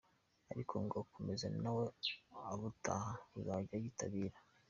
Ariko ngo akomeje na we ubutaha yazajya ayitabira.